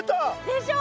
でしょ。